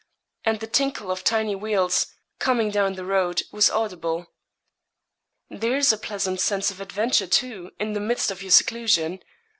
And the tinkle of tiny wheels, coming down the road, was audible. 'There's a pleasant sense of adventure, too, in the midst of your seclusion.